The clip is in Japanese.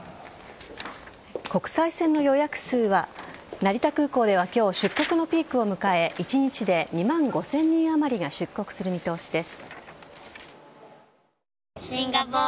成田空港では今日、出国のピークを迎え１日で２万５０００人あまりが出国する見通しです。